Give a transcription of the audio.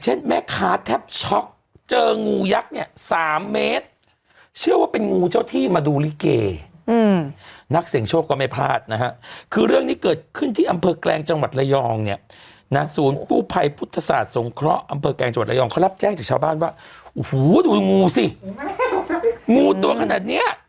เขารับแจ้งจากชาวบ้านว่าโอ้โหดูงูสิงูตัวขนาดเนี้ย